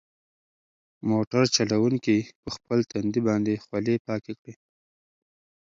موټر چلونکي په خپل تندي باندې خولې پاکې کړې.